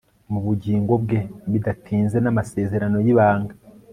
mu bugingo bwe bidatinze n'amasezerano y'ibanga